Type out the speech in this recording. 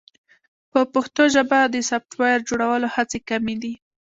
په پښتو ژبه د سافټویر جوړولو هڅې کمې دي.